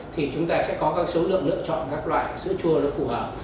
thì chúng ta sẽ có các số lượng lựa chọn các loại sữa chua nó phù hợp